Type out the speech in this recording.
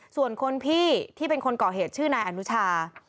ส่วนคนพี่ที่เป็นคนก่อเหตุชื่อนายอนุชา